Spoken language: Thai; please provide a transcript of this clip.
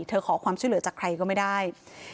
ขอความช่วยเหลือจากใครก็ไม่ได้